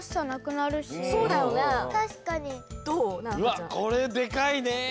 うわっこれでかいね。